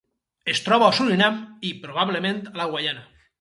Es troba a Surinam i, probablement, a la Guaiana.